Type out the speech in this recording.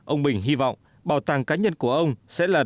ông bình hy vọng bảo tàng cá nhân của ông sẽ được giúp đỡ